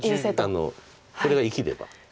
これが生きれば。